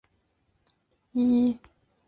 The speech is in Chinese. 聋人开门取得芒果。